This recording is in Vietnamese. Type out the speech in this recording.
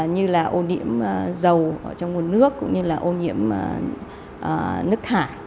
như là ô nhiễm dầu ở trong nguồn nước cũng như là ô nhiễm nước thải